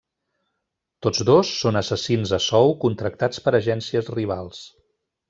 Tots dos són assassins a sou contractats per agències rivals.